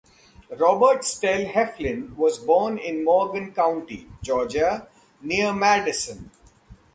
Robert Stell Heflin was born in Morgan County, Georgia, near Madison.